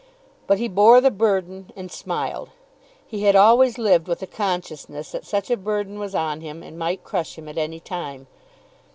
But he bore the burden, and smiled. He had always lived with the consciousness that such a burden was on him and might crush him at any time.